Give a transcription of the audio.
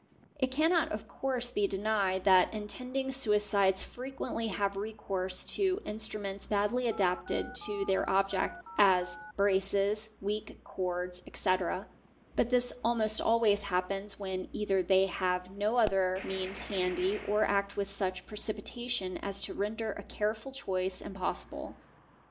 It cannot of course be denied that intending suicides frequently have recourse to instruments badly adapted to their object (as braces, weak cords, etc.) but this almost always happens when either they have no other means handy or act with such precipitation as to render a care — ful choice impossible.